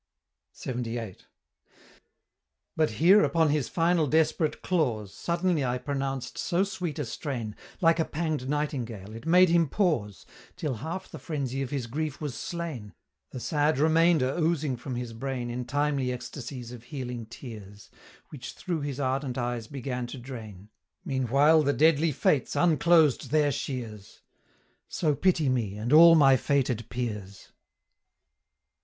LXXVIII. "But here upon his final desperate clause Suddenly I pronounced so sweet a strain, Like a pang'd nightingale, it made him pause, Till half the frenzy of his grief was slain, The sad remainder oozing from his brain In timely ecstasies of healing tears, Which through his ardent eyes began to drain; Meanwhile the deadly Fates unclosed their shears: So pity me and all my fated peers!"